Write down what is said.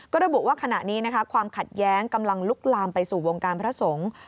ก็ระบุว่าขณะนี้นะคะความขัดแย้งกำลังลุกลามไปสู่วงการพระสงฆ์